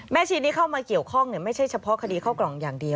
ชีที่เข้ามาเกี่ยวข้องไม่ใช่เฉพาะคดีเข้ากล่องอย่างเดียว